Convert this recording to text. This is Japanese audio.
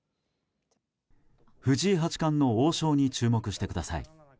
藤井八冠の王将に注目してください。